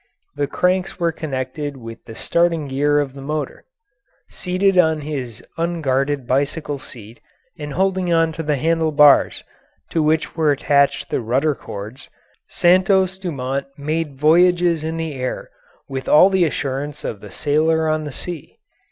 The cranks were connected with the starting gear of the motor. Seated on his unguarded bicycle seat, and holding on to the handle bars, to which were attached the rudder cords, Santos Dumont made voyages in the air with all the assurance of the sailor on the sea.